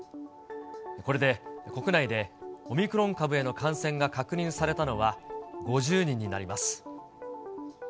これで国内でオミクロン株への感染が確認されたのは５０人になります。